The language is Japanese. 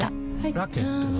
ラケットは？